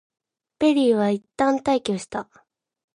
ペリーはいったん退去した。